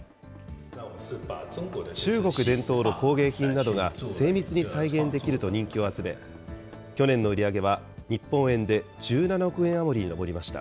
中国伝統の工芸品などが、精密に再現できると人気を集め、去年の売り上げは日本円で１７億円余りに上りました。